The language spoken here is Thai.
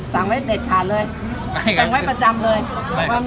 สั่งไว้เด็ดขาดเลยสั่งไว้ประจำเลย